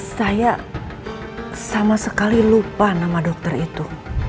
saya sama sekali lupa nama dokter itu